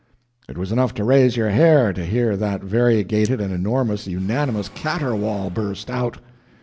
It was enough to raise your hair to hear that variegated and enormous unanimous caterwaul burst out!